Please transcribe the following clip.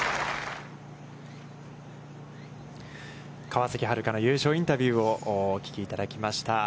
川崎春花の優勝インタビューをお聞きいただきました。